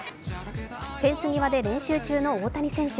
フェンス際で練習中の大谷選手。